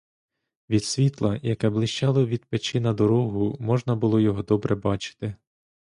Від світла, яке блищало від печі на дорогу, можна було його добре бачити.